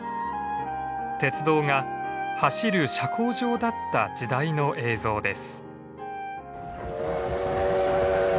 鉄道が走る社交場だった時代の映像です。